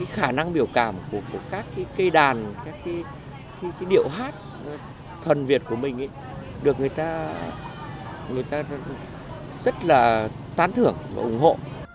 khả năng biểu cảm của các cây đàn các điệu hát thần việt của mình được người ta rất là tán thưởng và ủng hộ